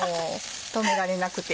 止められなくて。